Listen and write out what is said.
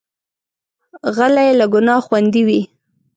غلی، له ګناه خوندي وي.